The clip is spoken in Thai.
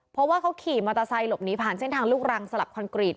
เพราะว่าเขาขี่มอเตอร์ไซค์หลบหนีผ่านเส้นทางลูกรังสลับคอนกรีต